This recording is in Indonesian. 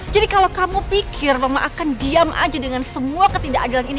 jadi kalau kamu pikir mama akan diam aja dengan semua ketidakadilan ini